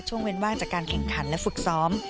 เว้นว่างจากการแข่งขันและฝึกซ้อม